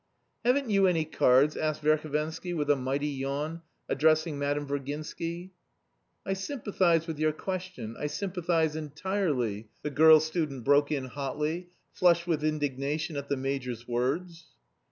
"Haven't you any cards?" asked Verhovensky, with a mighty yawn, addressing Madame Virginsky. "I sympathise with your question, I sympathise entirely," the girl student broke in hotly, flushed with indignation at the major's words.